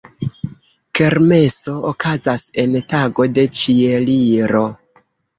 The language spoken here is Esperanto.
Kermeso okazas en tago de Ĉieliro.